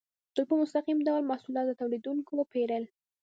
دوی په مستقیم ډول محصولات له تولیدونکو پیرل.